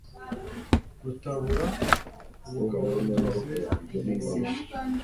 rutabura ubugabo ngeze mu babisha